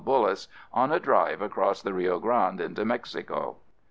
Bullis, on a drive across the Rio Grande into Mexico.